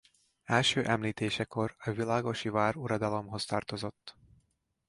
Első említésekor a világosi váruradalomhoz tartozott.